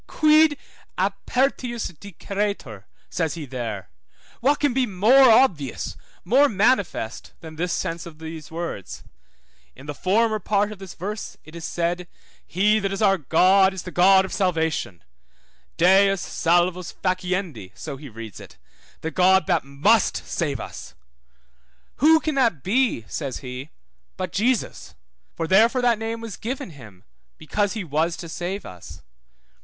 Quid apertius diceretur? says he there, what can be more obvious, more manifest than this sense of these words? In the former part of this verse it is said, He that is our God is the God of salvation; Deus salvos faciendi, so he reads it, the God that must save us. Who can that be, says he, but Jesus? For therefore that name was given him because he was to save us.